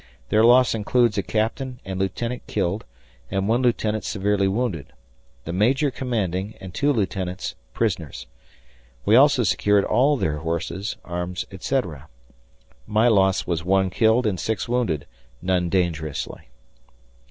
Their loss includes a captain and lieutenant killed and 1 lieutenant severely wounded; the major commanding and 2 lieutenants prisoners. We also secured all their horses, arms, etc. My loss was 1 killed and 6 wounded none dangerously.